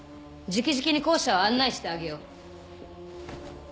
直々に校舎を案内してあげよう。